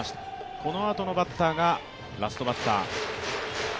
このあとのバッターがラストバッター。